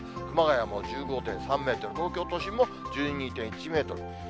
熊谷も１５．３メートル、東京都心も１２．１メートル。